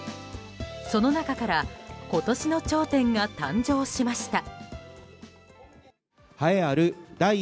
その中から今年の頂点が誕生しました。